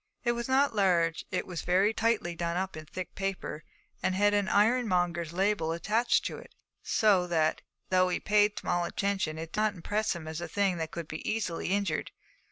It was not large; it was very tightly done up in thick paper, and had an ironmonger's label attached; so that, though he paid small attention, it did not impress him as a thing that could be easily injured.